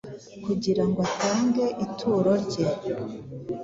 Kugira ngo atange ituro rye,